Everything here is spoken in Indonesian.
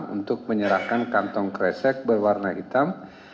untuk menyerahkan kantong kresek berwarna hitam